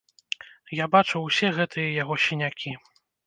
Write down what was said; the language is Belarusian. Я бачыў усе гэтыя яго сінякі.